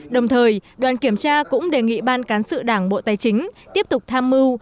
đồng thời đoàn kiểm tra cũng đề nghị ban cán sự đảng bộ tài chính tiếp tục tham mưu